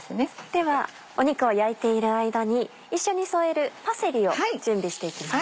では肉を焼いている間に一緒に添えるパセリを準備していきます。